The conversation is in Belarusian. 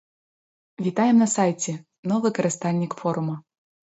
Вітаем на сайце, новы карыстальнік форума!